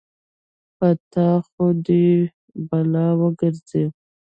په تا خو دې يې بلا وګرځې.